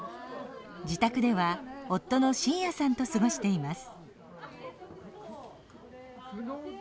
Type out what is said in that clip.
自宅では夫の晋哉さんと過ごしています。